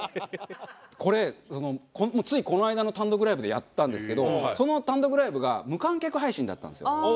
これついこの間の単独ライブでやったんですけどその単独ライブが無観客配信だったんですよ。